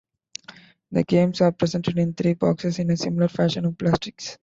The games are presented in three boxes, in a similar fashion to Blastris.